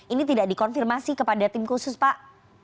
ini tidak dikonfirmasi kepada tim khusus pak